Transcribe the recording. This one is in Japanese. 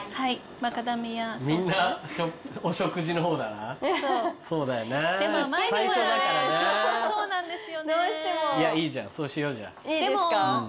いいですか？